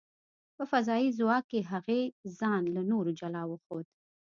په فضايي ځواک کې، هغې ځان له نورو جلا وښود .